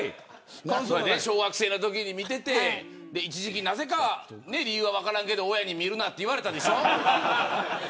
小学生のときに見てて一時期なぜか理由は分からんけど親に見るなと言われたでしょ。